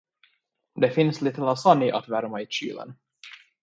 Det finns lite lasagne att värma i kylen.